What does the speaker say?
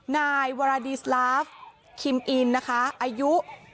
นายวาราดิสลาฟคิมอินนะคะอายุ